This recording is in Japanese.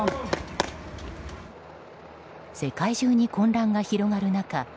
世界中に混乱が広がる中